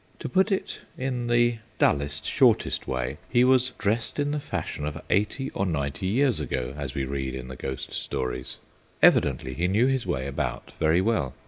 To put it in the dullest, shortest way, he was "dressed in the fashion of eighty or ninety years ago," as we read in the ghost stories. Evidently he knew his way about very well.